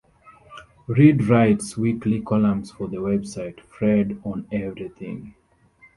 Reed writes weekly columns for the website "Fred on Everything".